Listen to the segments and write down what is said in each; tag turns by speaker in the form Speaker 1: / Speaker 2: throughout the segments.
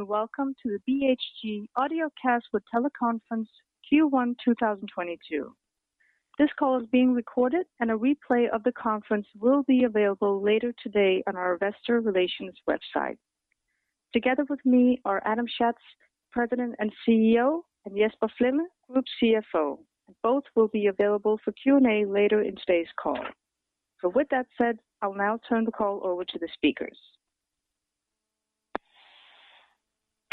Speaker 1: Welcome to the BHG Audiocast with Teleconference Q1 2022. This call is being recorded, and a replay of the conference will be available later today on our investor relations website. Together with me are Adam Schatz, President and CEO, and Jesper Flemme, Group CFO. Both will be available for Q&A later in today's call. With that said, I'll now turn the call over to the speakers.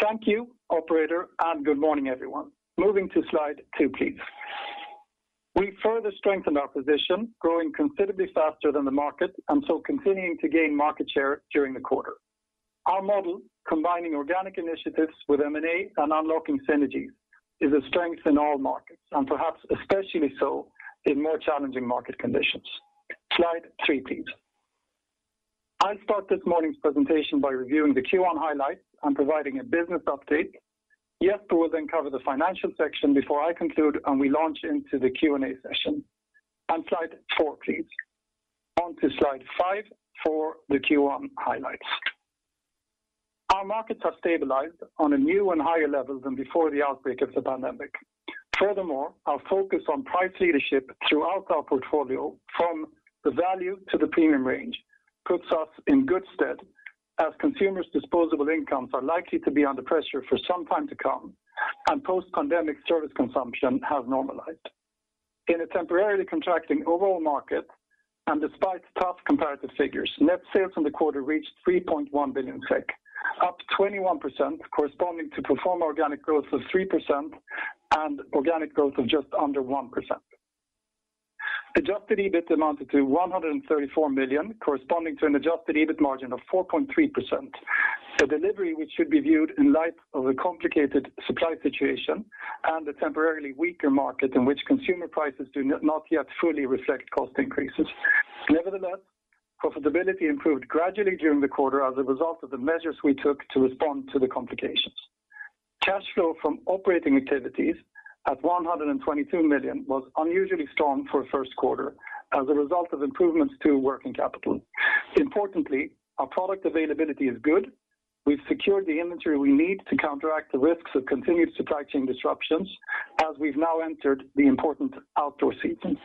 Speaker 2: Thank you, operator, and good morning, everyone. Moving to slide 2, please. We further strengthened our position, growing considerably faster than the market and so continuing to gain market share during the quarter. Our model, combining organic initiatives with M&A and unlocking synergies, is a strength in all markets, and perhaps especially so in more challenging market conditions. Slide 3, please. I'll start this morning's presentation by reviewing the Q1 highlights and providing a business update. Jesper will then cover the financial section before I conclude, and we launch into the Q&A session. Slide 4, please. On to slide 5 for the Q1 highlights. Our markets have stabilized on a new and higher level than before the outbreak of the pandemic. Furthermore, our focus on price leadership throughout our portfolio from the value to the premium range puts us in good stead as consumers' disposable incomes are likely to be under pressure for some time to come and post-pandemic service consumption has normalized. In a temporarily contracting overall market, and despite tough comparative figures, net sales from the quarter reached 3.1 billion SEK, up 21%, corresponding to pro forma organic growth of 3% and organic growth of just under 1%. Adjusted EBIT amounted to 134 million, corresponding to an adjusted EBIT margin of 4.3%, a delivery which should be viewed in light of the complicated supply situation and a temporarily weaker market in which consumer prices do not yet fully reflect cost increases. Nevertheless, profitability improved gradually during the quarter as a result of the measures we took to respond to the complications. Cash flow from operating activities at 122 million was unusually strong for a first quarter as a result of improvements to working capital. Importantly, our product availability is good. We've secured the inventory we need to counteract the risks of continued supply chain disruptions as we've now entered the important outdoor season.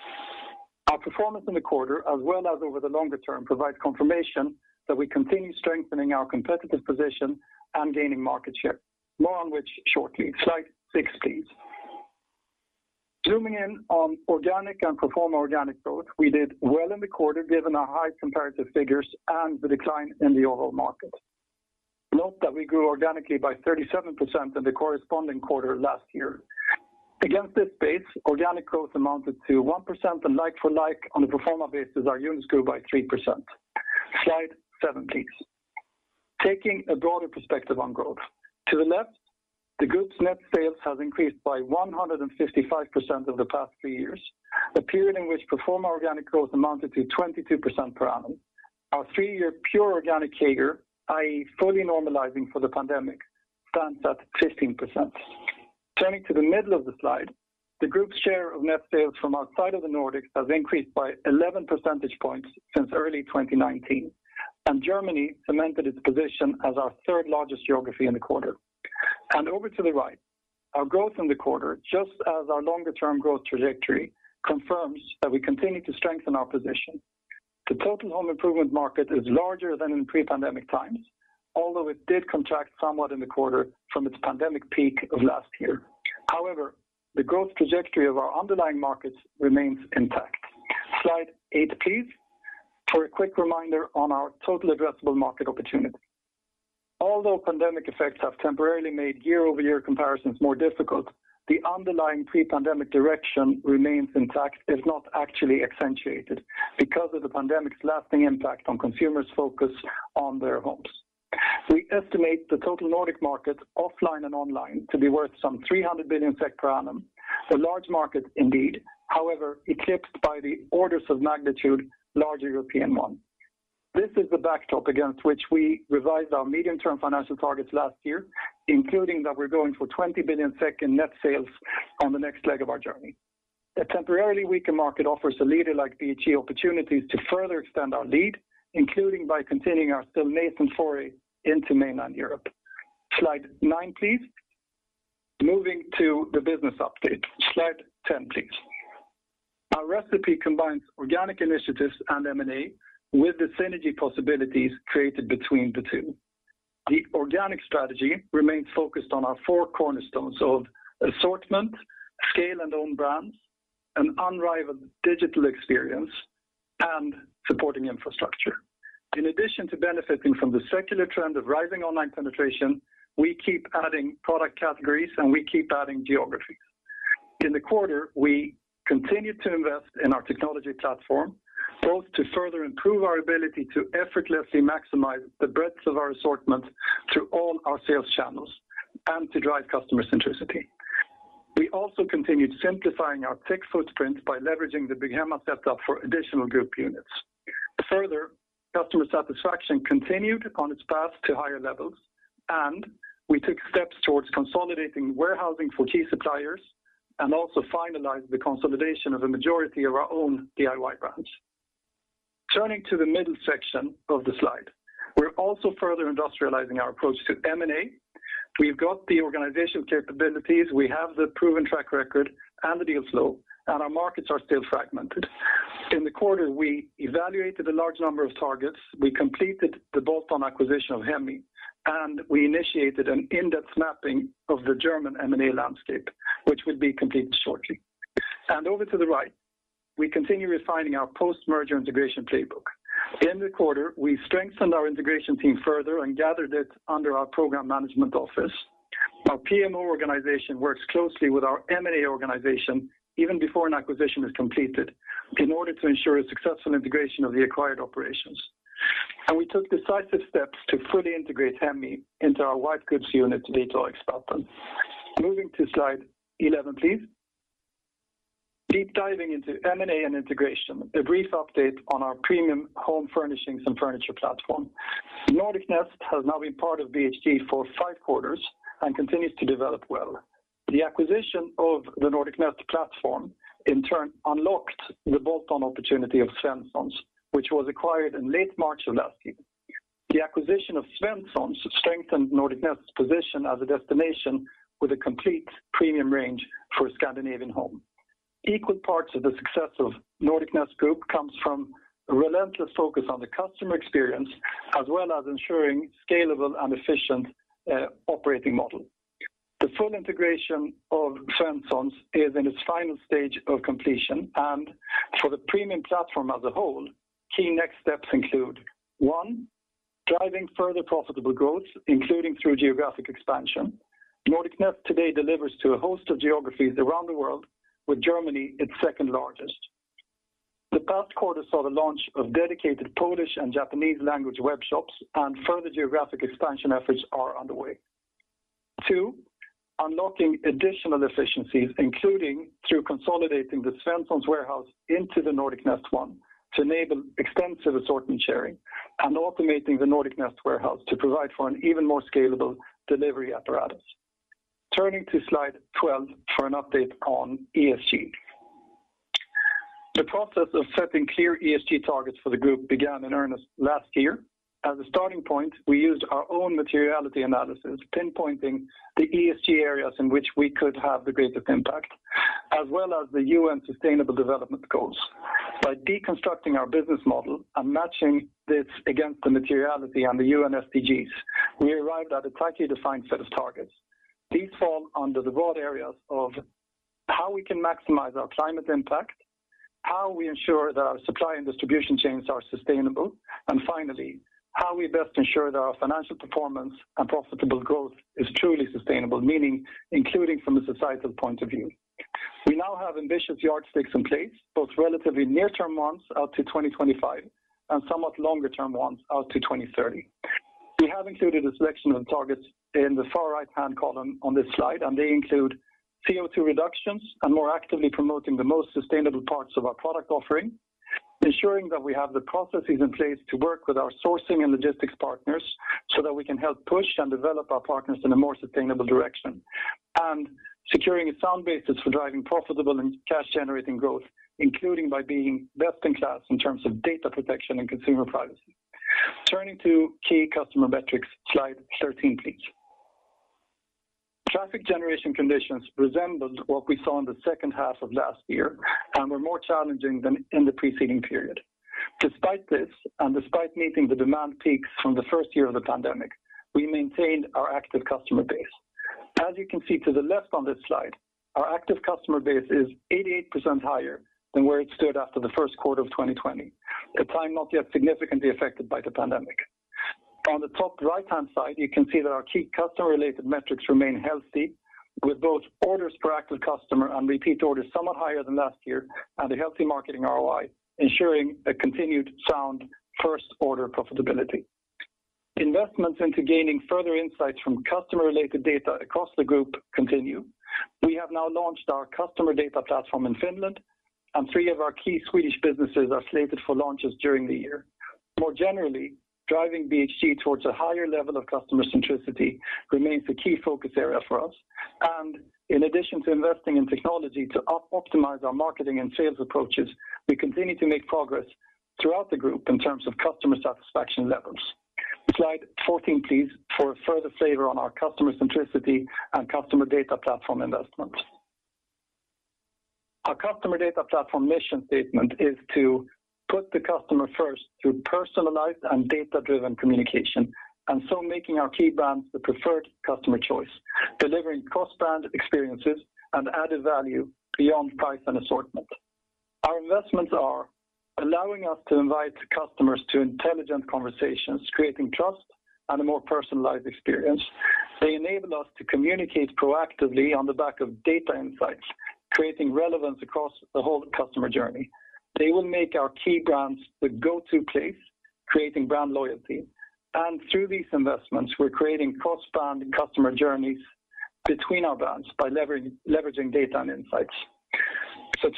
Speaker 2: Our performance in the quarter, as well as over the longer term, provides confirmation that we continue strengthening our competitive position and gaining market share. More on which shortly. Slide six, please. Zooming in on organic and pro forma organic growth, we did well in the quarter given our high comparative figures and the decline in the overall market. Note that we grew organically by 37% in the corresponding quarter last year. Against this base, organic growth amounted to 1% and like for like on the pro forma basis, our units grew by 3%. Slide seven, please. Taking a broader perspective on growth. To the left, the group's net sales has increased by 155% over the past three years, a period in which pro forma organic growth amounted to 22% per annum. Our three-year pure organic CAGR, i.e. fully normalizing for the pandemic, stands at 15%. Turning to the middle of the slide, the group's share of net sales from outside of the Nordics has increased by 11 percentage points since early 2019, and Germany cemented its position as our third-largest geography in the quarter. Over to the right, our growth in the quarter, just as our longer-term growth trajectory, confirms that we continue to strengthen our position. The total home improvement market is larger than in pre-pandemic times, although it did contract somewhat in the quarter from its pandemic peak of last year. However, the growth trajectory of our underlying markets remains intact. Slide 8, please, for a quick reminder on our total addressable market opportunity. Although pandemic effects have temporarily made year-over-year comparisons more difficult, the underlying pre-pandemic direction remains intact if not actually accentuated because of the pandemic's lasting impact on consumers' focus on their homes. We estimate the total Nordic market offline and online to be worth some 300 billion SEK per annum. A large market indeed, however, eclipsed by the orders of magnitude larger European one. This is the backdrop against which we revised our medium-term financial targets last year, including that we're going for 20 billion in net sales on the next leg of our journey. A temporarily weaker market offers a leader like BHG opportunities to further extend our lead, including by continuing our still nascent foray into mainland Europe. Slide nine, please. Moving to the business update. Slide ten, please. Our recipe combines organic initiatives and M&A with the synergy possibilities created between the two. The organic strategy remains focused on our four cornerstones of assortment, scale and own brands, an unrivaled digital experience, and supporting infrastructure. In addition to benefiting from the secular trend of rising online penetration, we keep adding product categories, and we keep adding geographies. In the quarter, we continued to invest in our technology platform, both to further improve our ability to effortlessly maximize the breadth of our assortment through all our sales channels and to drive customer centricity. We also continued simplifying our tech footprint by leveraging the Bygghemma setup for additional group units. Further, customer satisfaction continued on its path to higher levels, and we took steps towards consolidating warehousing for key suppliers and also finalized the consolidation of a majority of our own DIY brands. Turning to the middle section of the slide. We're also further industrializing our approach to M&A. We've got the organizational capabilities, we have the proven track record and the deal flow, and our markets are still fragmented. In the quarter, we evaluated a large number of targets. We completed the bolt-on acquisition of Hemmy, and we initiated an in-depth mapping of the German M&A landscape, which will be completed shortly. Over to the right, we continue refining our post-merger integration playbook. In the quarter, we strengthened our integration team further and gathered it under our program management office. Our PMO organization works closely with our M&A organization even before an acquisition is completed in order to ensure a successful integration of the acquired operations. We took decisive steps to fully integrate Hemmy into our white goods unit digital expansion. Moving to slide 11, please. Deep diving into M&A and integration, a brief update on our premium home furnishings and furniture platform. Nordic Nest has now been part of BHG for 5 quarters and continues to develop well. The acquisition of the Nordic Nest platform in turn unlocked the bolt-on opportunity of Svenssons, which was acquired in late March of last year. The acquisition of Svenssons strengthened Nordic Nest's position as a destination with a complete premium range for a Scandinavian home. Equal parts of the success of Nordic Nest Group comes from a relentless focus on the customer experience, as well as ensuring scalable and efficient operating model. The full integration of Svenssons is in its final stage of completion, and for the premium platform as a whole, key next steps include, one, driving further profitable growth, including through geographic expansion. Nordic Nest today delivers to a host of geographies around the world, with Germany its second largest. The past quarter saw the launch of dedicated Polish and Japanese language web shops, and further geographic expansion efforts are underway. Two, unlocking additional efficiencies, including through consolidating the Svenssons warehouse into the Nordic Nest one to enable extensive assortment sharing and automating the Nordic Nest warehouse to provide for an even more scalable delivery apparatus. Turning to slide 12 for an update on ESG. The process of setting clear ESG targets for the group began in earnest last year. As a starting point, we used our own materiality analysis, pinpointing the ESG areas in which we could have the greatest impact, as well as the UN Sustainable Development Goals. By deconstructing our business model and matching this against the materiality and the UN SDGs, we arrived at a tightly defined set of targets. These fall under the broad areas of how we can maximize our climate impact, how we ensure that our supply and distribution chains are sustainable, and finally, how we best ensure that our financial performance and profitable growth is truly sustainable, meaning including from a societal point of view. We now have ambitious yardsticks in place, both relatively near-term ones out to 2025 and somewhat longer-term ones out to 2030. We have included a selection of targets in the far right-hand column on this slide, and they include CO₂ reductions and more actively promoting the most sustainable parts of our product offering, ensuring that we have the processes in place to work with our sourcing and logistics partners so that we can help push and develop our partners in a more sustainable direction, and securing a sound basis for driving profitable and cash-generating growth, including by being best in class in terms of data protection and consumer privacy. Turning to key customer metrics, slide 13, please. Traffic generation conditions resembled what we saw in the second half of last year and were more challenging than in the preceding period. Despite this, and despite meeting the demand peaks from the first year of the pandemic, we maintained our active customer base. As you can see to the left on this slide, our active customer base is 88% higher than where it stood after the first quarter of 2020, a time not yet significantly affected by the pandemic. On the top right-hand side, you can see that our key customer-related metrics remain healthy, with both orders per active customer and repeat orders somewhat higher than last year and a healthy marketing ROI, ensuring a continued sound first-order profitability. Investments into gaining further insights from customer-related data across the group continue. We have now launched our customer data platform in Finland, and three of our key Swedish businesses are slated for launches during the year. More generally, driving BHG towards a higher level of customer centricity remains the key focus area for us, and in addition to investing in technology to optimize our marketing and sales approaches, we continue to make progress throughout the group in terms of customer satisfaction levels. Slide 14, please, for a further flavor on our customer centricity and customer data platform investment. Our customer data platform mission statement is to put the customer first through personalized and data-driven communication, and so making our key brands the preferred customer choice, delivering cross-brand experiences and added value beyond price and assortment. Our investments are allowing us to invite customers to intelligent conversations, creating trust and a more personalized experience. They enable us to communicate proactively on the back of data insights, creating relevance across the whole customer journey. They will make our key brands the go-to place, creating brand loyalty. Through these investments, we're creating cross-brand customer journeys between our brands by leveraging data and insights.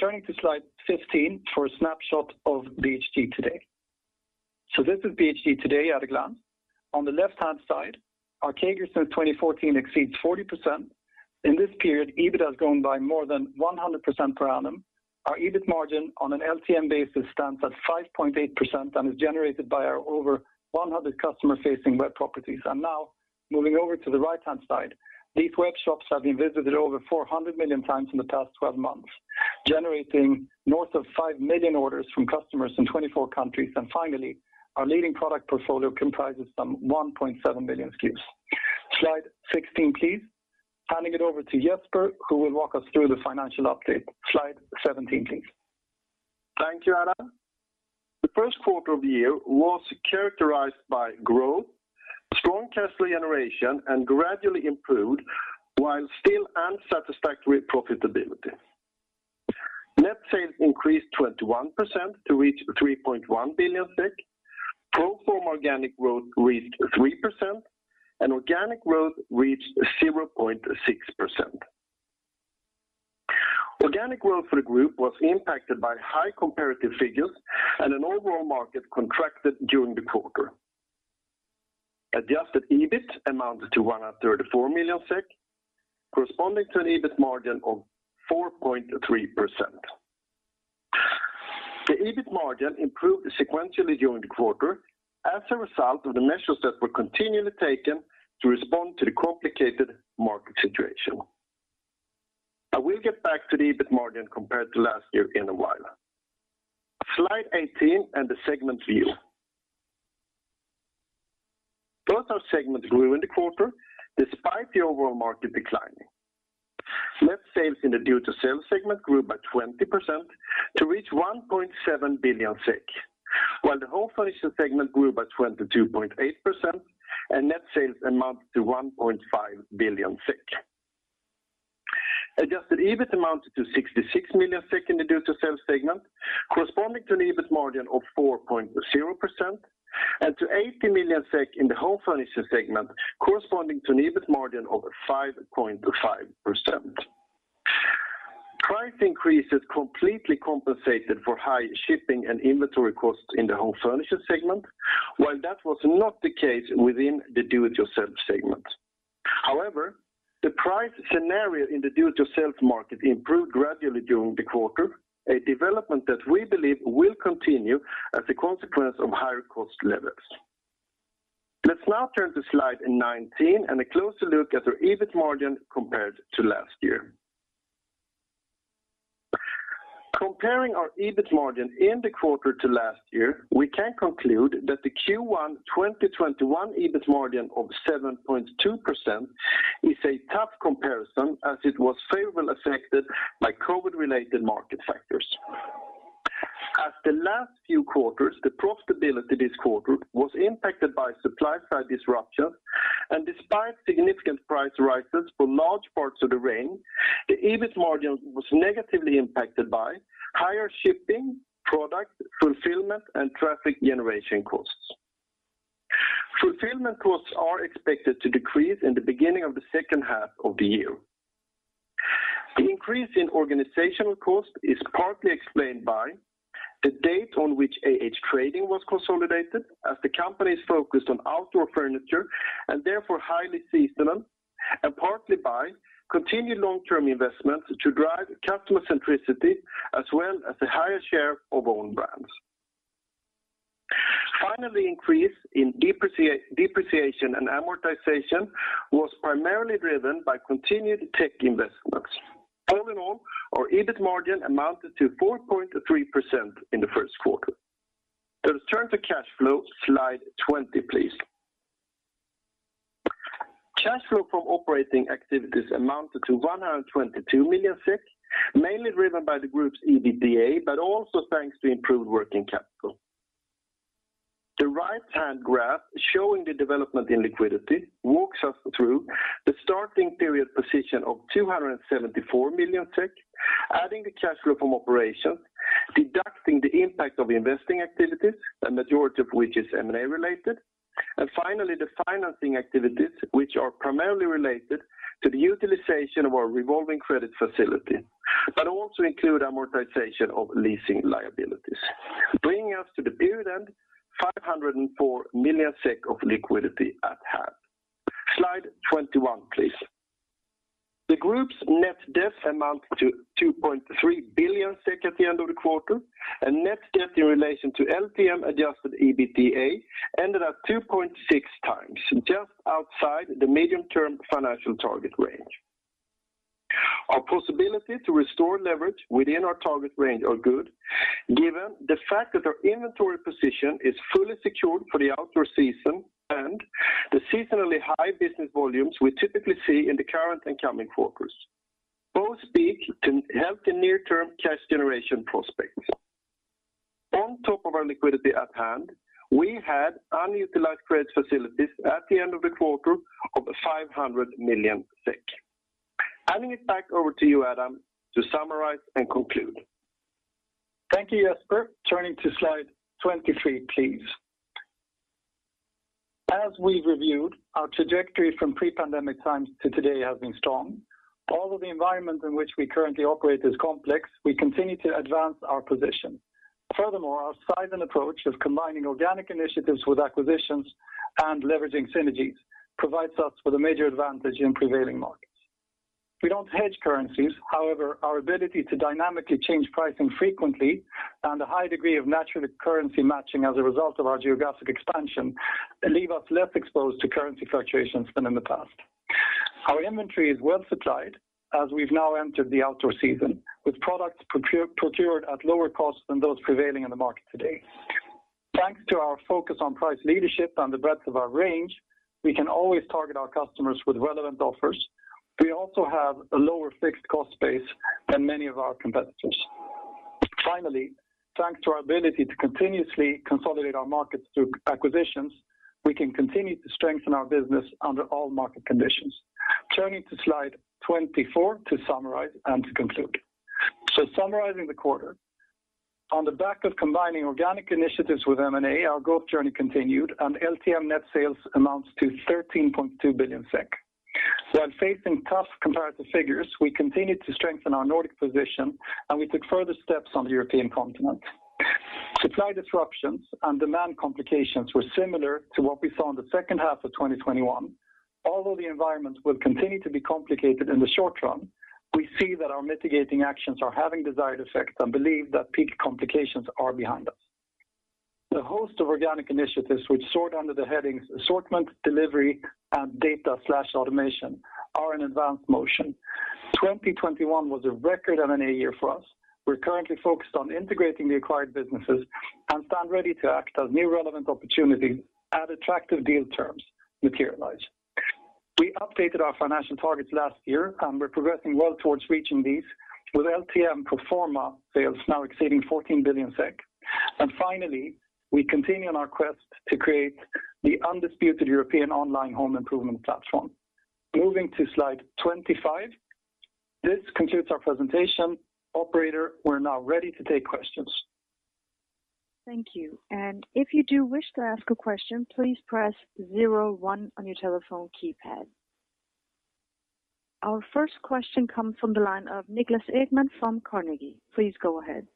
Speaker 2: Turning to slide 15 for a snapshot of BHG today. This is BHG today at a glance. On the left-hand side, our CAGR since 2014 exceeds 40%. In this period, EBIT has grown by more than 100% per annum. Our EBIT margin on an LTM basis stands at 5.8% and is generated by our over 100 customer-facing web properties. Now moving over to the right-hand side, these web shops have been visited over 400 million times in the past twelve months, generating north of 5 million orders from customers in 24 countries. Finally, our leading product portfolio comprises some 1.7 million SKUs. Slide 16, please. Handing it over to Jesper, who will walk us through the financial update. Slide 17, please.
Speaker 3: Thank you, Adam. The first quarter of the year was characterized by growth, strong cash generation, and gradually improved, while still unsatisfactory profitability. Net sales increased 21% to reach 3.1 billion. Pro forma organic growth reached 3%, and organic growth reached 0.6%. Organic growth for the group was impacted by high comparative figures and an overall market contracted during the quarter. Adjusted EBIT amounted to 134 million SEK, corresponding to an EBIT margin of 4.3%. The EBIT margin improved sequentially during the quarter as a result of the measures that were continually taken to respond to the complicated market situation. I will get back to the EBIT margin compared to last year in a while. Slide 18 and the segment view. Both our segments grew in the quarter despite the overall market declining. Net sales in the Do-It-Yourself segment grew by 20% to reach 1.7 billion, while the home furnishing segment grew by 22.8% and net sales amounted to 1.5 billion SEK. Adjusted EBIT amounted to 66 million SEK in the Do-It-Yourself segment, corresponding to an EBIT margin of 4.0% and to 80 million SEK in the home furnishing segment, corresponding to an EBIT margin of 5.5%. Price increases completely compensated for high shipping and inventory costs in the home furnishing segment, while that was not the case within the Do-It-Yourself segment. However, the price scenario in the Do-It-Yourself market improved gradually during the quarter, a development that we believe will continue as a consequence of higher cost levels. Let's now turn to slide 19 and a closer look at our EBIT margin compared to last year. Comparing our EBIT margin in the quarter to last year, we can conclude that the Q1 2021 EBIT margin of 7.2% is a tough comparison as it was favorably affected by COVID-related market factors. As the last few quarters, the profitability this quarter was impacted by supply side disruptions, and despite significant price rises for large parts of the range, the EBIT margin was negatively impacted by higher shipping, product fulfillment, and traffic generation costs. Fulfillment costs are expected to decrease in the beginning of the second half of the year. The increase in organizational cost is partly explained by the date on which AH-Trading was consolidated as the company is focused on outdoor furniture and therefore highly seasonal, and partly by continued long-term investments to drive customer centricity as well as a higher share of own brands. Finally, increase in depreciation and amortization was primarily driven by continued tech investments. All in all, our EBIT margin amounted to 4.3% in the first quarter. Let us turn to cash flow, slide 20, please. Cash flow from operating activities amounted to 122 million, mainly driven by the group's EBITDA, but also thanks to improved working capital. The right-hand graph showing the development in liquidity walks us through the starting period position of 274 million, adding the cash flow from operations, deducting the impact of investing activities, the majority of which is M&A related, and finally, the financing activities which are primarily related to the utilization of our revolving credit facility, but also include amortization of leasing liabilities, bringing us to the period end, 504 million SEK of liquidity at hand. Slide 21, please. The group's net debt amounted to 2.3 billion at the end of the quarter, and net debt in relation to LTM adjusted EBITDA ended at 2.6 times, just outside the medium-term financial target range. Our possibility to restore leverage within our target range are good, given the fact that our inventory position is fully secured for the outdoor season and the seasonally high business volumes we typically see in the current and coming quarters both speak to healthy near-term cash generation prospects. On top of our liquidity at hand, we had unutilized credit facilities at the end of the quarter of 500 million SEK. Handing it back over to you, Adam, to summarize and conclude.
Speaker 2: Thank you, Jesper. Turning to slide 23, please. As we've reviewed, our trajectory from pre-pandemic times to today has been strong. Although the environment in which we currently operate is complex, we continue to advance our position. Furthermore, our size and approach of combining organic initiatives with acquisitions and leveraging synergies provides us with a major advantage in prevailing markets. We don't hedge currencies. However, our ability to dynamically change pricing frequently and a high degree of natural currency matching as a result of our geographic expansion leave us less exposed to currency fluctuations than in the past. Our inventory is well supplied as we've now entered the outdoor season, with products procured at lower costs than those prevailing in the market today. Thanks to our focus on price leadership and the breadth of our range, we can always target our customers with relevant offers. We also have a lower fixed cost base than many of our competitors. Finally, thanks to our ability to continuously consolidate our markets through acquisitions, we can continue to strengthen our business under all market conditions. Turning to slide 24 to summarize and to conclude. Summarizing the quarter. On the back of combining organic initiatives with M&A, our growth journey continued and LTM net sales amounts to 13.2 billion SEK. While facing tough comparative figures, we continued to strengthen our Nordic position, and we took further steps on the European continent. Supply disruptions and demand complications were similar to what we saw in the second half of 2021. Although the environment will continue to be complicated in the short run, we see that our mitigating actions are having desired effects and believe that peak complications are behind us. The host of organic initiatives, which sort under the headings assortment, delivery and data/automation, are in advanced motion. 2021 was a record M&A year for us. We're currently focused on integrating the acquired businesses and stand ready to act on new relevant opportunities at attractive deal terms materialize. We updated our financial targets last year, and we're progressing well towards reaching these with LTM pro forma sales now exceeding 14 billion SEK. Finally, we continue on our quest to create the undisputed European online home improvement platform. Moving to slide 25. This concludes our presentation. Operator, we're now ready to take questions.
Speaker 1: Thank you. If you do wish to ask a question, please press zero one on your telephone keypad. Our first question comes from the line of Niklas Ekman from Carnegie. Please go ahead.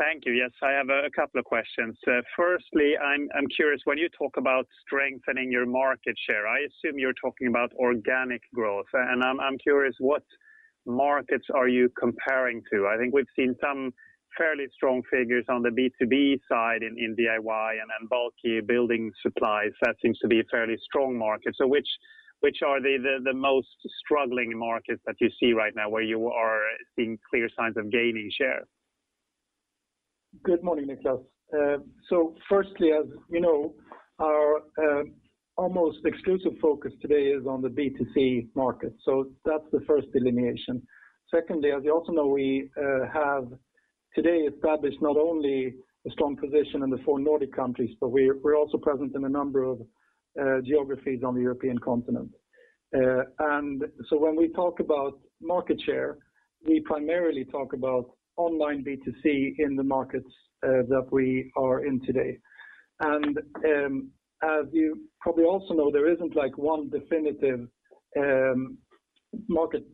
Speaker 4: Thank you. Yes, I have a couple of questions. Firstly, I'm curious when you talk about strengthening your market share, I assume you're talking about organic growth. I'm curious what markets are you comparing to? I think we've seen some fairly strong figures on the B2B side in DIY and then bulky building supplies. That seems to be a fairly strong market. Which are the most struggling markets that you see right now where you are seeing clear signs of gaining share?
Speaker 2: Good morning, Niklas. First, as you know, our almost exclusive focus today is on the B2C market. That's the first delineation. Secondly, as you also know, we have today established not only a strong position in the four Nordic countries, but we're also present in a number of geographies on the European continent. When we talk about market share, we primarily talk about online B2C in the markets that we are in today. As you probably also know, there isn't like one definitive market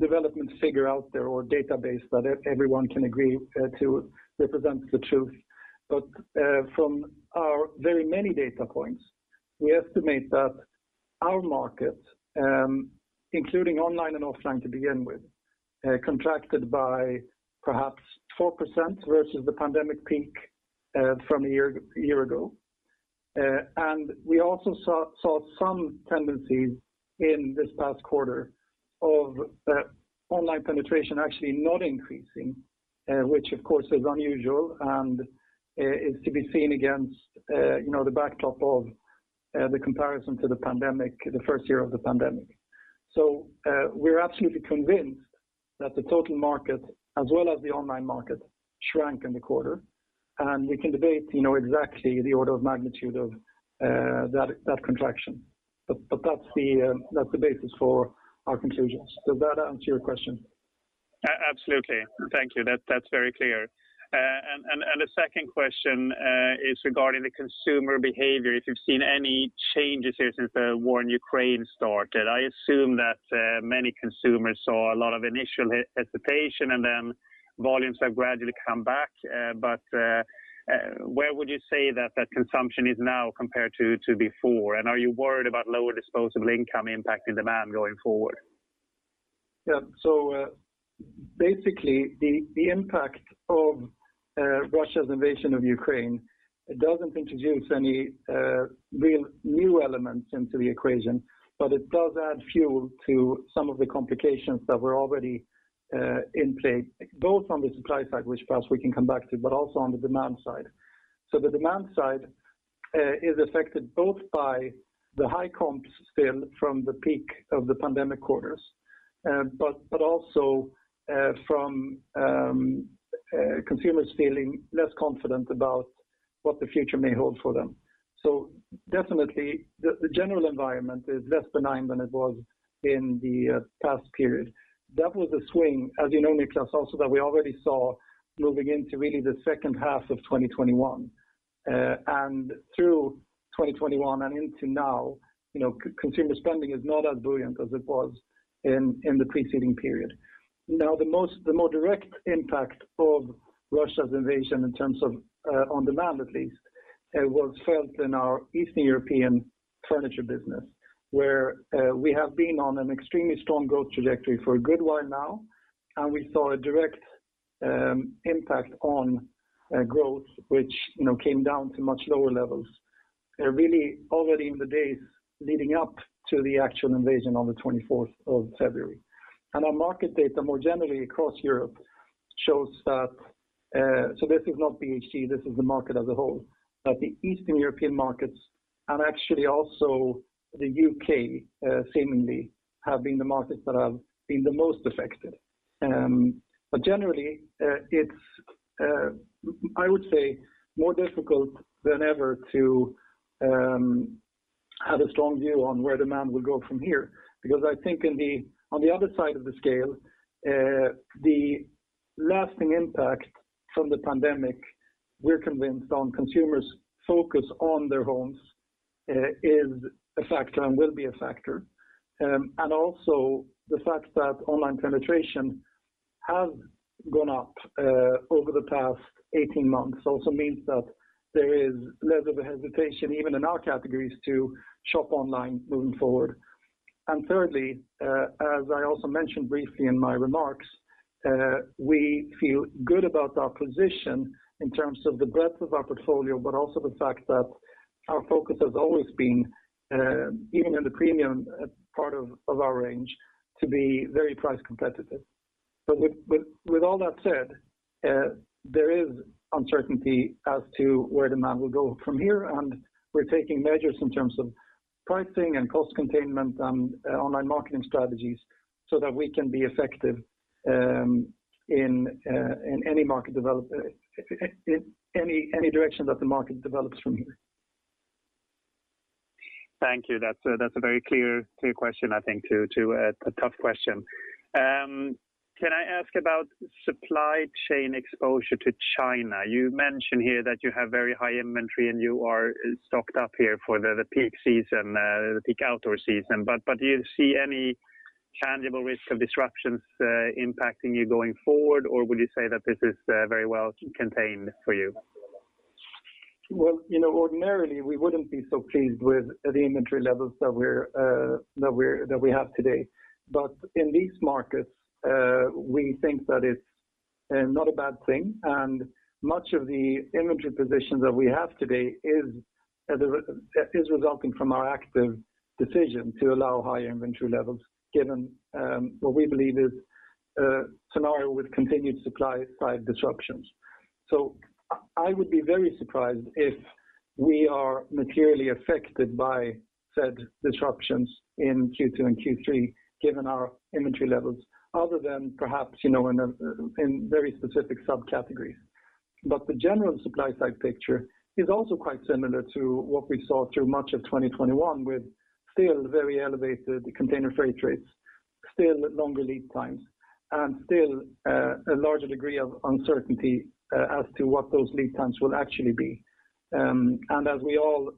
Speaker 2: development figure out there or database that everyone can agree to represent the truth. From our very many data points, we estimate that our market, including online and offline to begin with, contracted by perhaps 4% versus the pandemic peak, from a year ago. We also saw some tendencies in this past quarter of online penetration actually not increasing, which of course is unusual and is to be seen against, you know, the backdrop of the comparison to the pandemic, the first year of the pandemic. We're absolutely convinced that the total market as well as the online market shrank in the quarter. We can debate, you know, exactly the order of magnitude of that contraction. That's the basis for our conclusions. Does that answer your question?
Speaker 4: Absolutely. Thank you. That's very clear. The second question is regarding consumer behavior. If you've seen any changes here since the war in Ukraine started? I assume that many consumers saw a lot of initial hesitation and then volumes have gradually come back. Where would you say that consumption is now compared to before? Are you worried about lower disposable income impacting demand going forward?
Speaker 2: Yeah. Basically the impact of Russia's invasion of Ukraine doesn't introduce any real new elements into the equation, but it does add fuel to some of the complications that were already in play, both on the supply side, which perhaps we can come back to, but also on the demand side. The demand side is affected both by the high comps still from the peak of the pandemic quarters, but also from consumers feeling less confident about what the future may hold for them. Definitely the general environment is less benign than it was in the past period. That was a swing, as you know, Niklas, also that we already saw moving into really the second half of 2021. Through 2021 and into now, you know, consumer spending is not as buoyant as it was in the preceding period. Now, the more direct impact of Russia's invasion in terms of on demand at least was felt in our Eastern European furniture business, where we have been on an extremely strong growth trajectory for a good while now. We saw a direct impact on growth, which, you know, came down to much lower levels really already in the days leading up to the actual invasion on the 24th of February. Our market data more generally across Europe shows that. This is not BHG. This is the market as a whole. That the Eastern European markets and actually also the UK seemingly have been the markets that have been the most affected. Generally, it's, I would say, more difficult than ever to have a strong view on where demand will go from here. Because I think on the other side of the scale, the lasting impact from the pandemic, we're convinced of consumers' focus on their homes, is a factor and will be a factor. Also the fact that online penetration has gone up over the past 18 months also means that there is less of a hesitation even in our categories to shop online moving forward. Thirdly, as I also mentioned briefly in my remarks, we feel good about our position in terms of the breadth of our portfolio, but also the fact that our focus has always been, even in the premium part of our range, to be very price competitive. With all that said, there is uncertainty as to where demand will go from here, and we're taking measures in terms of pricing and cost containment and online marketing strategies so that we can be effective, in any direction that the market develops from here.
Speaker 4: Thank you. That's a very clear question, I think, to a tough question. Can I ask about supply chain exposure to China? You mentioned here that you have very high inventory and you are stocked up here for the peak season, the peak outdoor season. But do you see any tangible risk of disruptions impacting you going forward? Or would you say that this is very well contained for you?
Speaker 2: Well, you know, ordinarily we wouldn't be so pleased with the inventory levels that we have today. In these markets, we think that it's not a bad thing. Much of the inventory positions that we have today is resulting from our active decision to allow higher inventory levels given what we believe is a scenario with continued supply side disruptions. I would be very surprised if we are materially affected by said disruptions in Q2 and Q3 given our inventory levels other than perhaps, you know, in very specific subcategories. The general supply side picture is also quite similar to what we saw through much of 2021, with still very elevated container freight rates, still longer lead times, and still a larger degree of uncertainty as to what those lead times will actually be. As we all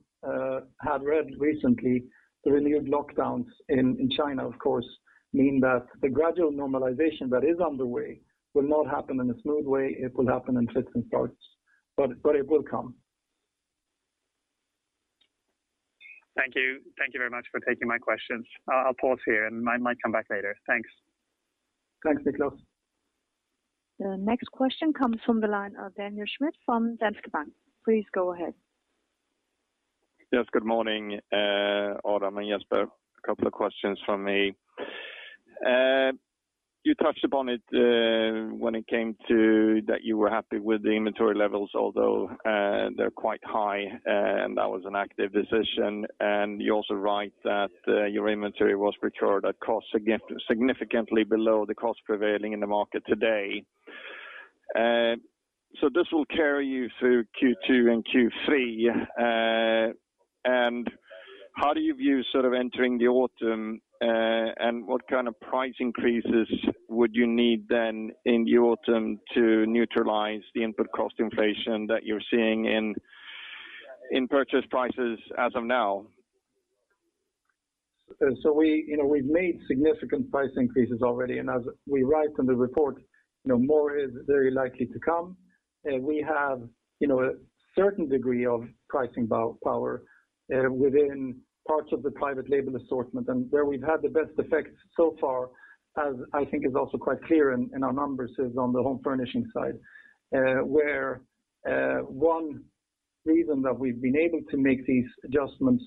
Speaker 2: have read recently, the renewed lockdowns in China of course mean that the gradual normalization that is underway will not happen in a smooth way. It will happen in fits and starts, but it will come.
Speaker 4: Thank you. Thank you very much for taking my questions. I'll pause here and might come back later. Thanks.
Speaker 2: Thanks, Niklas.
Speaker 1: The next question comes from the line of Daniel Schmidt from Danske Bank. Please go ahead.
Speaker 5: Yes, good morning, Adam and Jesper. A couple of questions from me. You touched upon it, when it came to that you were happy with the inventory levels although they're quite high, and that was an active decision. You also write that your inventory was procured at cost significantly below the cost prevailing in the market today. This will carry you through Q2 and Q3. How do you view sort of entering the autumn? What kind of price increases would you need then in the autumn to neutralize the input cost inflation that you're seeing in purchase prices as of now?
Speaker 2: We, you know, we've made significant price increases already, and as we write in the report, you know, more is very likely to come. We have, you know, a certain degree of pricing power within parts of the private label assortment. Where we've had the best effect so far, as I think is also quite clear in our numbers, is on the home furnishing side. Where one reason that we've been able to make these adjustments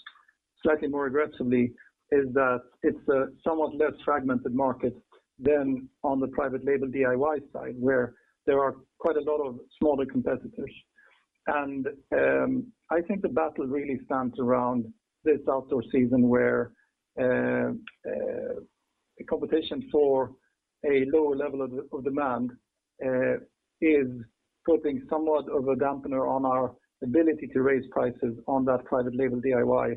Speaker 2: slightly more aggressively is that it's a somewhat less fragmented market than on the private label DIY side, where there are quite a lot of smaller competitors. I think the battle really stands around this outdoor season where competition for a lower level of demand is putting somewhat of a dampener on our ability to raise prices on that private label DIY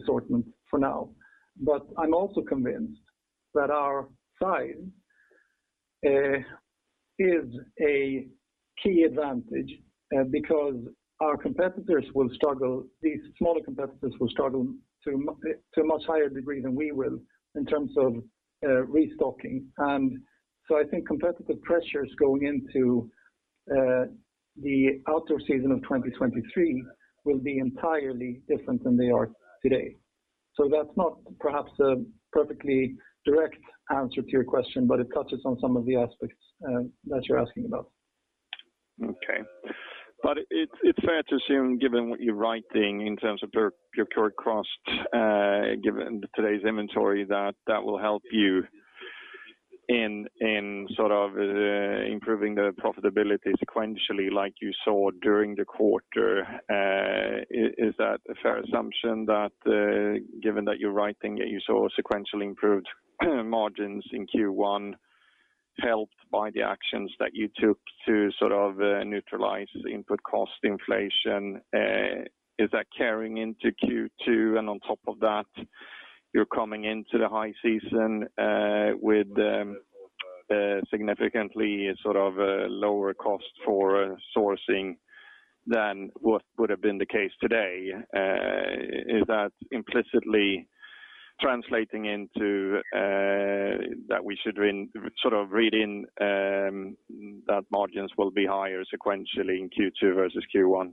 Speaker 2: assortment for now. I'm also convinced that our size is a key advantage because these smaller competitors will struggle to a much higher degree than we will in terms of restocking. I think competitive pressures going into the outdoor season of 2023 will be entirely different than they are today. That's not perhaps a perfectly direct answer to your question, but it touches on some of the aspects that you're asking about.
Speaker 5: It's fair to assume, given what you're writing down in terms of your current costs, given today's inventory, that will help you in sort of improving the profitability sequentially like you saw during the quarter. Is that a fair assumption that, given that you're writing it down, you saw sequentially improved margins in Q1 helped by the actions that you took to sort of neutralize input cost inflation? Is that carrying into Q2? On top of that, you're coming into the high season with significantly sort of lower cost for sourcing than what would have been the case today. Is that implicitly translating into that we should read into that margins will be higher sequentially in Q2 versus Q1?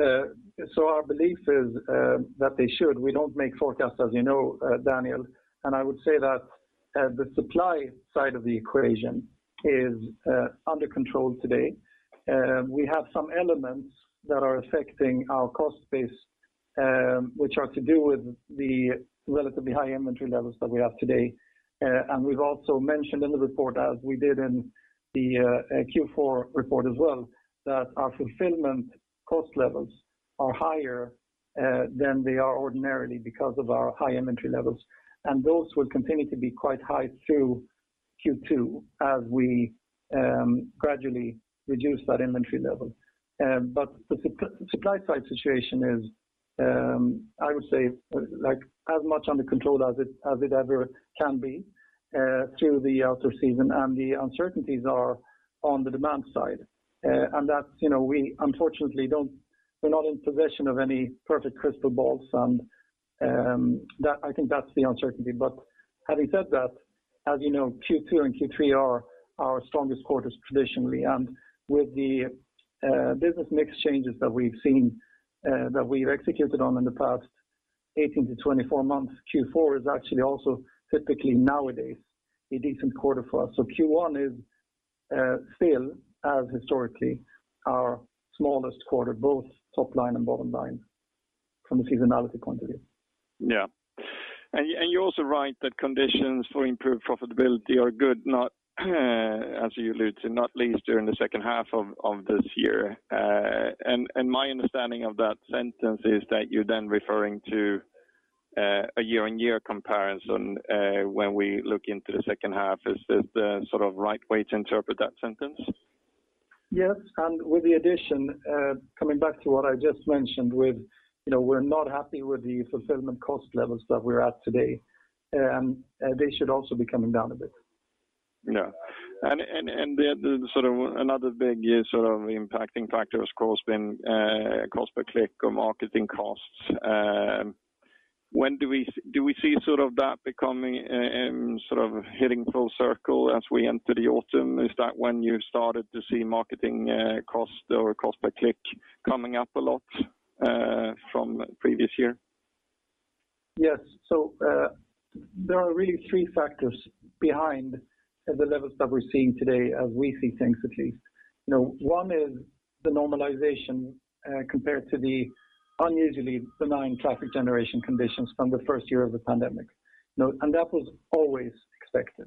Speaker 2: Our belief is that they should. We don't make forecasts, as you know, Daniel. I would say that the supply side of the equation is under control today. We have some elements that are affecting our cost base, which are to do with the relatively high inventory levels that we have today. We've also mentioned in the report, as we did in the Q4 report as well, that our fulfillment cost levels are higher than they are ordinarily because of our high inventory levels. Those will continue to be quite high through Q2 as we gradually reduce that inventory level. The supply side situation is, I would say like as much under control as it ever can be, through the outdoor season, and the uncertainties are on the demand side. That's, you know, we unfortunately we're not in possession of any perfect crystal balls and, I think that's the uncertainty. Having said that, as you know, Q2 and Q3 are our strongest quarters traditionally. With the business mix changes that we've seen that we've executed on in the past 18-24 months, Q4 is actually also typically nowadays a decent quarter for us. Q1 is still as historically our smallest quarter, both top line and bottom line from a seasonality point of view.
Speaker 5: Yeah. You also write that conditions for improved profitability are good, not as you allude to, not least during the second half of this year. My understanding of that sentence is that you're then referring to a year-on-year comparison when we look into the second half. Is that the sort of right way to interpret that sentence?
Speaker 2: Yes. With the addition, coming back to what I just mentioned with, you know, we're not happy with the fulfillment cost levels that we're at today, they should also be coming down a bit.
Speaker 5: Yeah. The sort of another big year sort of impacting factor has, of course, been cost per click or marketing costs. When do we see sort of that becoming sort of hitting full circle as we enter the autumn? Is that when you started to see marketing cost or cost per click coming up a lot from previous year?
Speaker 2: Yes. There are really three factors behind the levels that we're seeing today as we see things at least. You know, one is the normalization, compared to the unusually benign traffic generation conditions from the first year of the pandemic. You know, that was always expected.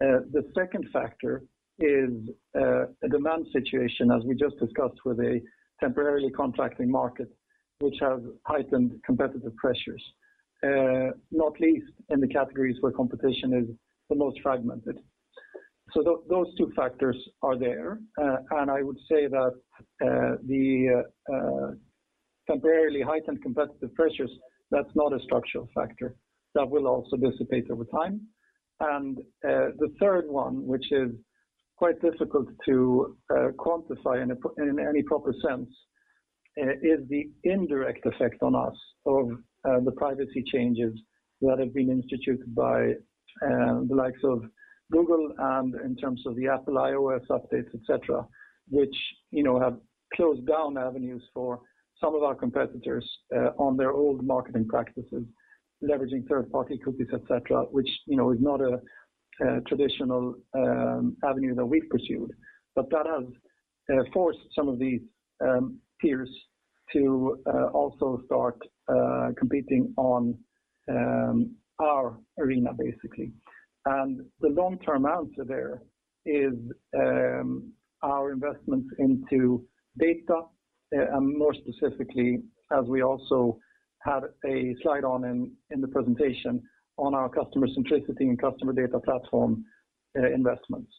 Speaker 2: The second factor is a demand situation, as we just discussed, with a temporarily contracting market which has heightened competitive pressures, not least in the categories where competition is the most fragmented. Those two factors are there. I would say that the temporarily heightened competitive pressures, that's not a structural factor. That will also dissipate over time. The third one, which is quite difficult to quantify in any proper sense, is the indirect effect on us of the privacy changes that have been instituted by the likes of Google and in terms of the Apple iOS updates, et cetera, which, you know, have closed down avenues for some of our competitors on their old marketing practices, leveraging third-party cookies, et cetera, which, you know, is not a traditional avenue that we've pursued. That has forced some of these peers to also start competing on our arena basically. The long-term answer there is our investments into data and more specifically as we also had a slide on in the presentation on our customer centricity and customer data platform investments.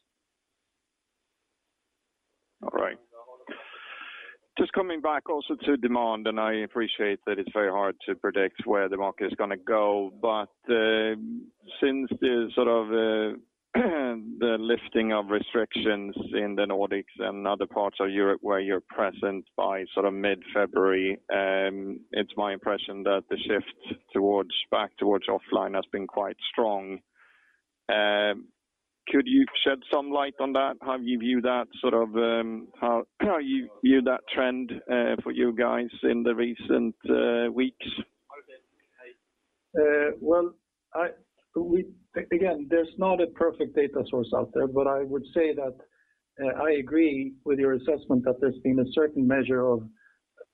Speaker 5: Coming back also to demand, and I appreciate that it's very hard to predict where the market is gonna go. Since the sort of the lifting of restrictions in the Nordics and other parts of Europe where you're present by sort of mid-February, it's my impression that the shift back towards offline has been quite strong. Could you shed some light on that? How do you view that trend for you guys in the recent weeks?
Speaker 2: Well, again, there's not a perfect data source out there, but I would say that I agree with your assessment that there's been a certain measure of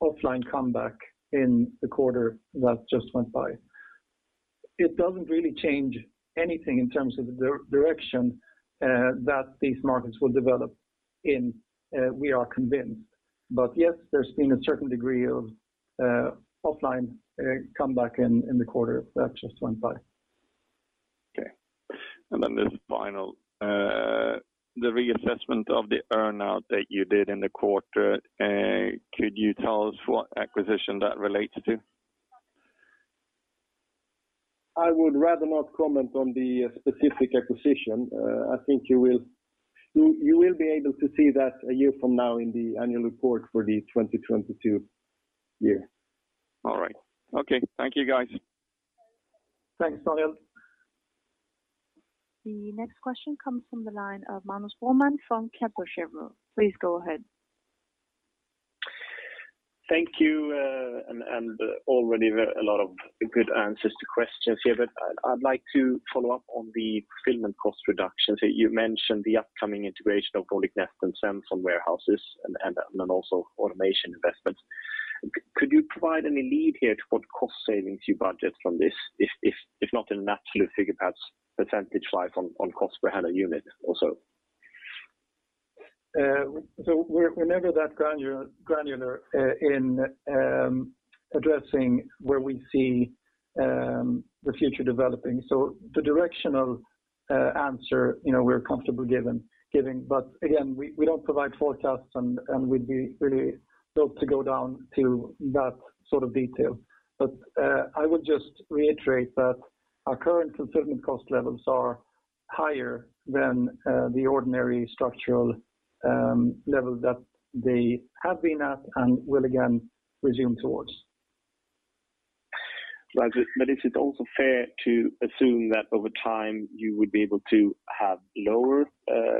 Speaker 2: offline comeback in the quarter that just went by. It doesn't really change anything in terms of direction, that these markets will develop in, we are convinced. Yes, there's been a certain degree of offline comeback in the quarter that just went by.
Speaker 5: Okay. This final, the reassessment of the earn-out that you did in the quarter, could you tell us what acquisition that relates to?
Speaker 2: I would rather not comment on the specific acquisition. I think you will be able to see that a year from now in the annual report for the 2022 year.
Speaker 5: All right. Okay. Thank you, guys.
Speaker 2: Thanks, Daniel.
Speaker 1: The next question comes from the line of Magnus Raman from Kepler Cheuvreux. Please go ahead.
Speaker 6: Thank you, already there are a lot of good answers to questions here, but I'd like to follow up on the fulfillment cost reductions. You mentioned the upcoming integration of Bolia and Svenssons warehouses and also automation investments. Could you provide any lead here to what cost savings you budget from this? If not in an absolute figure, perhaps percentage-wise on cost per hundred unit also?
Speaker 2: We're never that granular in addressing where we see the future developing. The directional answer, you know, we're comfortable giving. Again, we don't provide forecasts and we'd be really loath to go down to that sort of detail. I would just reiterate that our current fulfillment cost levels are higher than the ordinary structural level that they have been at and will again resume towards.
Speaker 6: Right. Is it also fair to assume that over time you would be able to have lower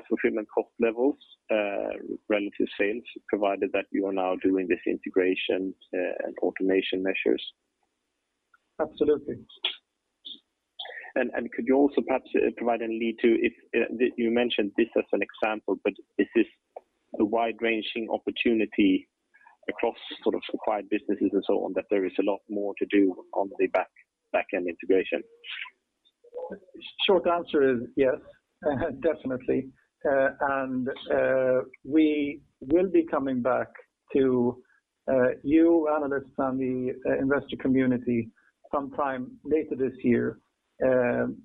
Speaker 6: fulfillment cost levels relative to sales, provided that you are now doing this integration and automation measures?
Speaker 2: Absolutely.
Speaker 6: Could you also perhaps provide any lead to if you mentioned this as an example, but is this a wide-ranging opportunity across sort of acquired businesses and so on, that there is a lot more to do on the back-end integration?
Speaker 2: Short answer is yes, definitely. We will be coming back to you analysts and the investor community sometime later this year.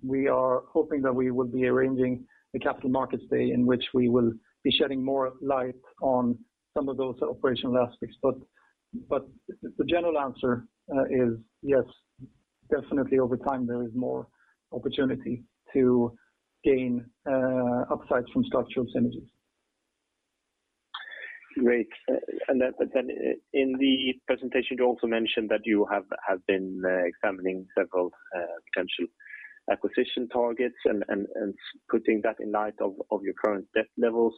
Speaker 2: We are hoping that we will be arranging a capital markets day in which we will be shedding more light on some of those operational aspects. The general answer is yes, definitely over time, there is more opportunity to gain upsides from structural synergies.
Speaker 6: Great. In the presentation, you also mentioned that you have been examining several potential acquisition targets and putting that in light of your current debt levels.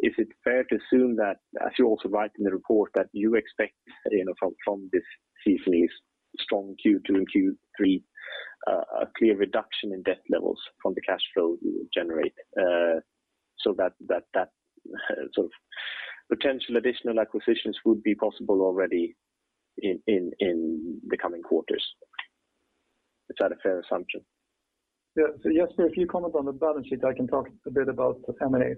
Speaker 6: Is it fair to assume that, as you also write in the report, that you expect, you know, from this season's strong Q2 and Q3, a clear reduction in debt levels from the cash flow you generate? That sort of potential additional acquisitions would be possible already in the coming quarters. Is that a fair assumption?
Speaker 2: Yeah. Jesper, if you comment on the balance sheet, I can talk a bit about the M&A.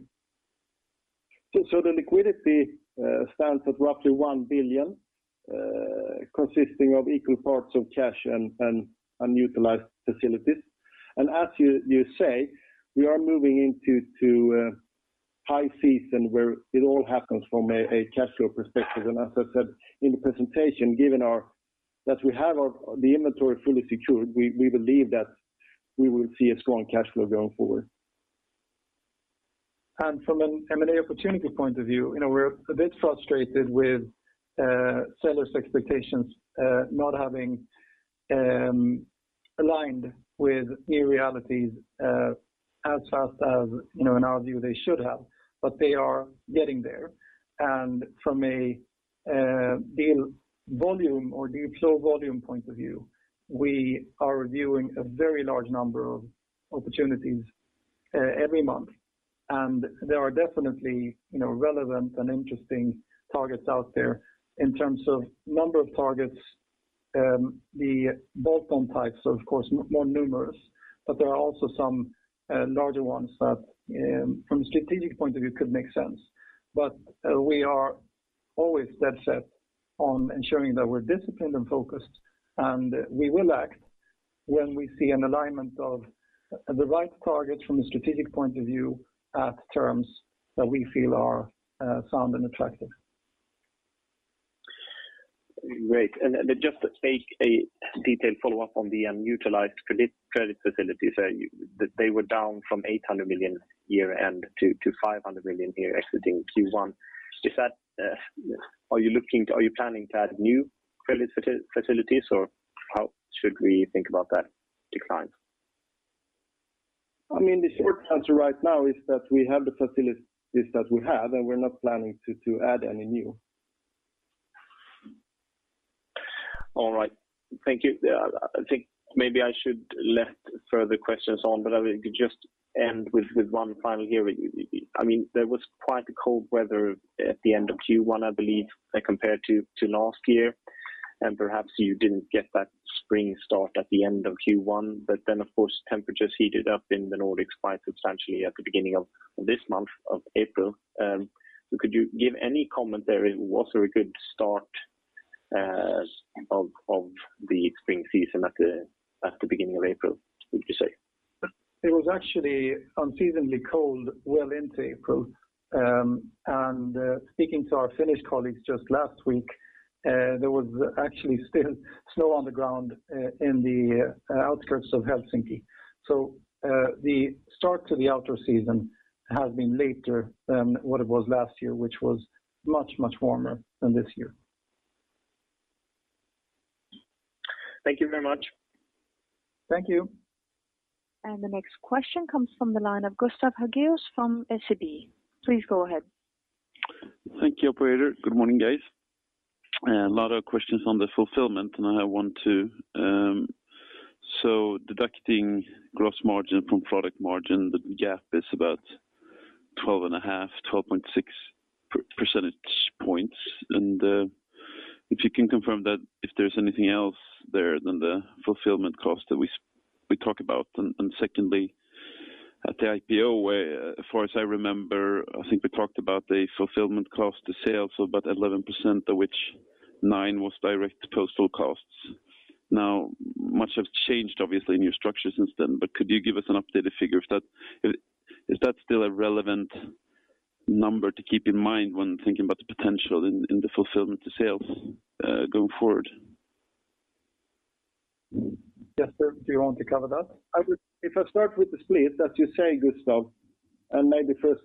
Speaker 3: The liquidity stands at roughly 1 billion, consisting of equal parts of cash and unutilized facilities. As you say, we are moving into high season where it all happens from a cash flow perspective. As I said in the presentation, given that we have the inventory fully secured, we believe that we will see a strong cash flow going forward.
Speaker 2: From an M&A opportunity point of view, you know, we're a bit frustrated with sellers' expectations not having aligned with new realities as fast as, you know, in our view they should have, but they are getting there. From a deal volume or deal flow volume point of view, we are reviewing a very large number of opportunities every month. There are definitely, you know, relevant and interesting targets out there in terms of number of targets, the bolt-on types are of course more numerous, but there are also some larger ones that from a strategic point of view could make sense. We are always dead set on ensuring that we're disciplined and focused, and we will act when we see an alignment of the right targets from a strategic point of view at terms that we feel are sound and attractive.
Speaker 6: Great. Then just to take a detailed follow-up on the unutilized credit facilities that they were down from 800 million year-end to 500 million here exiting Q1. Is that, are you planning to add new credit facilities, or how should we think about that decline?
Speaker 2: I mean, the short answer right now is that we have the facilities that we have, and we're not planning to add any new.
Speaker 6: All right. Thank you. I think maybe I should let further questions on, but I will just end with one final here. I mean, there was quite a cold weather at the end of Q1, I believe, compared to last year, and perhaps you didn't get that spring start at the end of Q1. Of course, temperatures heated up in the Nordics quite substantially at the beginning of this month of April. Could you give any comment there? It was a good start of the spring season at the beginning of April. What would you say?
Speaker 2: It was actually unseasonably cold well into April. Speaking to our Finnish colleagues just last week, there was actually still snow on the ground in the outskirts of Helsinki. The start to the outdoor season has been later than what it was last year, which was much, much warmer than this year.
Speaker 6: Thank you very much.
Speaker 2: Thank you.
Speaker 1: The next question comes from the line of Gustav Hagéus from SEB. Please go ahead.
Speaker 7: Thank you, operator. Good morning, guys. A lot of questions on the fulfillment, and I have one, too. Deducting gross margin from product margin, the gap is about 12.5, 12.6 percentage points. If you can confirm that if there's anything else there than the fulfillment cost that we talk about. Secondly, at the IPO, where as far as I remember, I think we talked about the fulfillment cost to sales of about 11%, of which 9% was direct postal costs. Now, much has changed, obviously, in your structure since then, but could you give us an updated figure. If that is still a relevant number to keep in mind when thinking about the potential in the fulfillment to sales going forward.
Speaker 2: Jesper, do you want to cover that?
Speaker 3: If I start with the split, as you say, Gustav, and maybe first.